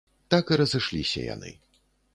Так і разышліся яны.